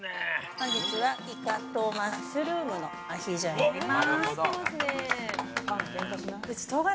本日はイカとマッシュルームのアヒージョになります。